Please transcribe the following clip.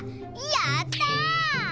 やった！